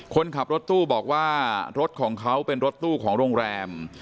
คนขับรถตู้บอกว่ารถของเขาเป็นรถตู้ของโรงแรม